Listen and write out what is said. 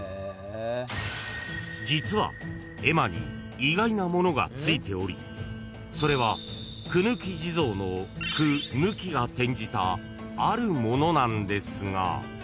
［実は絵馬に意外なものがついておりそれは苦抜き地蔵の「くぬき」が転じたあるものなんですが］